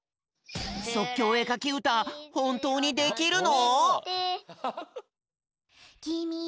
そっきょうえかきうたほんとうにできるの？